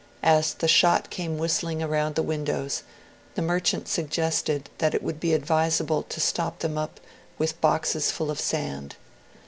As the shot came whistling around the windows, the merchant suggested that it would be advisable to stop them up with boxes full of sand.